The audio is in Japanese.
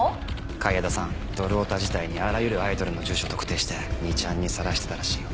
海江田さんドルオタ時代にあらゆるアイドルの住所特定して「２ちゃん」に晒してたらしいよ。